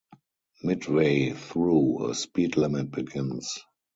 Midway through, a speed limit begins.